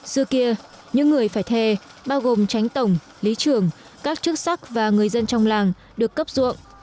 xưa kia những người phải thề bao gồm tránh tổng lý trường các chức sắc và người dân trong làng được cấp ruộng